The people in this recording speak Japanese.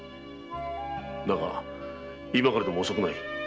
だが今からでも遅くない。